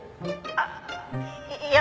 「ああいや